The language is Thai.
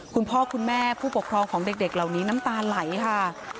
คุณพ่อคุณแม่ผู้ปกครองของเด็กเหล่านี้น้ำตาไหลค่ะ